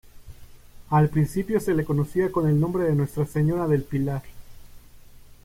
Al principio, se le conocía con el nombre de Nuestra Señora del Pilar.